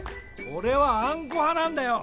俺はあんこ派なんだよ。